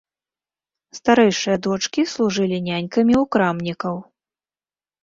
Старэйшыя дочкі служылі нянькамі ў крамнікаў.